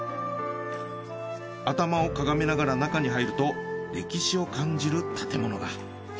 頭をかがめながら中に入ると歴史を感じる建物が。